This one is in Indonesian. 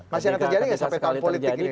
masih ada yang terjadi ya sampai kalau politik ini